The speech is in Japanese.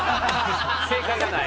正解がない。